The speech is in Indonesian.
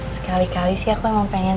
sekali kali sih aku memang pengen